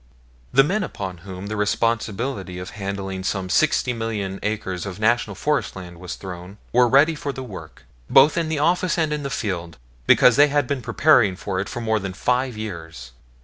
The men upon whom the responsibility of handling some sixty million acres of National Forest lands was thus thrown were ready for the work, both in the office and in the field, because they had been preparing for it for more than five years.